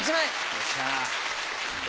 よっしゃ！